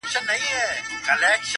تا ویل د بنده ګانو نګهبان یم؛